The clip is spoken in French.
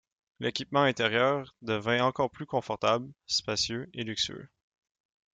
L'équipement intérieur devint encore plus confortable, spacieux et luxueux.